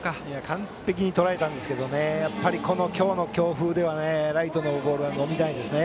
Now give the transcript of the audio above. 完璧にとらえたんですけどやっぱり今日の強風ではライトへのボールは伸びないですね。